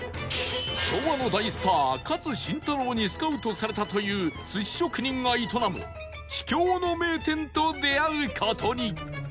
昭和の大スター勝新太郎にスカウトされたという寿司職人が営む秘境の名店と出会う事に